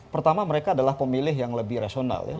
pertama mereka adalah pemilih yang lebih rasional ya